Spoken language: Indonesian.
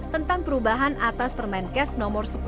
tentang perubahan atas permenkes nomor sepuluh